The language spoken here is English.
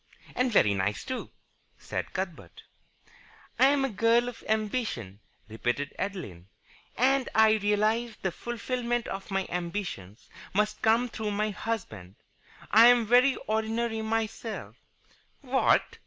"And very nice, too," said Cuthbert. "I am a girl of ambition," repeated Adeline, "and I realize that the fulfilment of my ambitions must come through my husband. I am very ordinary myself " "What!"